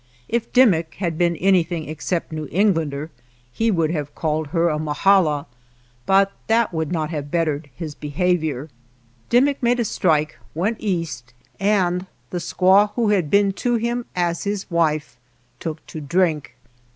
If Dimmick had been any thing except New Englander he would have called her a mahala, but that would not have bettered his behavior. Dimmick made a strike, went East, and the squaw who had been to him as his wife took to drink.